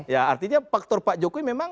ya artinya faktor pak jokowi memang